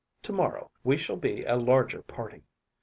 To morrow we shall be a larger party.